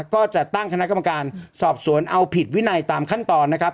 ก็จะตั้งคณะกรรมการสอบสวนเอาผิดวินัยตามขั้นตอนนะครับ